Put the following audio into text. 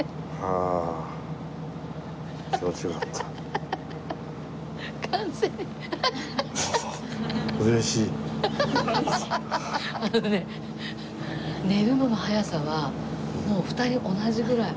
あのね寝るのの早さはもう２人同じぐらい。